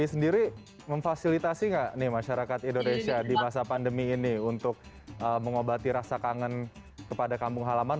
ini sendiri memfasilitasi nggak nih masyarakat indonesia di masa pandemi ini untuk mengobati rasa kangen kepada kampung halaman